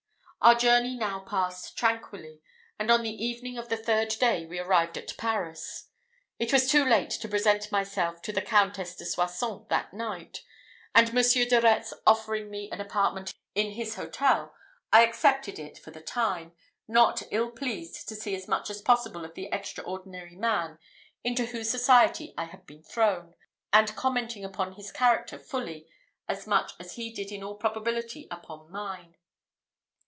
Our journey now passed tranquilly, and on the evening of the third day we arrived at Paris. It was too late to present myself to the Countess de Soissons that night; and Monsieur de Retz offering me an apartment in his hotel, I accepted it for the time, not ill pleased to see as much as possible of the extraordinary man into whose society I had been thrown, and commenting upon his character fully as much as he did in all probability upon mine.